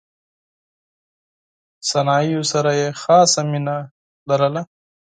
صنایعو سره یې خاصه مینه درلوده.